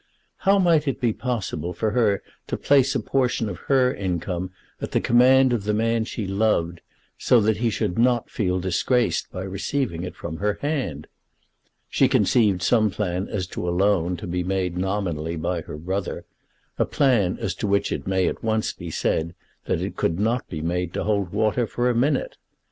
How might it be possible for her to place a portion of her income at the command of the man she loved so that he should not feel disgraced by receiving it from her hand? She conceived some plan as to a loan to be made nominally by her brother, a plan as to which it may at once be said that it could not be made to hold water for a minute.